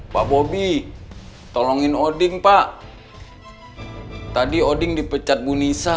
pak bobby tolongin odin pak tadi odin dipecat bunisa